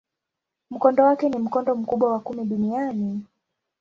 Mkondo wake ni mkondo mkubwa wa kumi duniani.